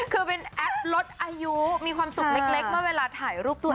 คือเป็นแอปลดอายุมีความสุขเล็กเมื่อเวลาถ่ายรูปตัว